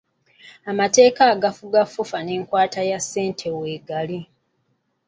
Amateeka agafufa enkwata ya ssente weegali.